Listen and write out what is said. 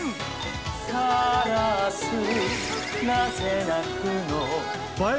「からすなぜなくの」